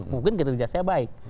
mungkin kinerja saya baik